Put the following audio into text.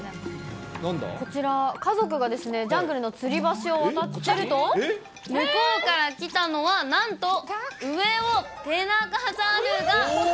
こちら、家族がですね、ジャングルのつり橋を渡っていると、向こうから来たのは、なんとテナガザルが。